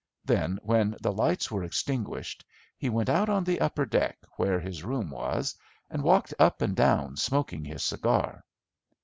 Then, when the lights were extinguished, he went out on the upper deck, where his room was, and walked up and down smoking his cigar.